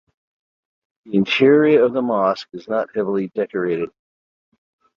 The interior of the mosque is not heavily decorated.